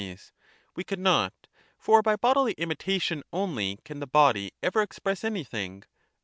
We could not ; for by bodily imitation only can the body ever express anything.